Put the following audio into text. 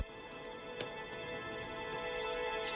ya yaudah kamu jangan gerak deh ya